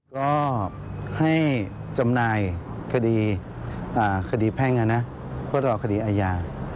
ก็ให้จำนายคดีแพ่งอาณาพคดีอาญา